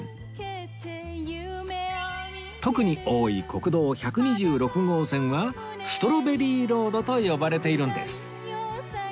特に多い国道１２６号線はストロベリーロードと呼ばれているんです